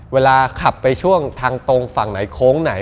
เวลาขับไปช่วงทางตรงฝั่งไหนโค้งไหน